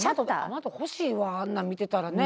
雨戸欲しいわあんなん見てたらね。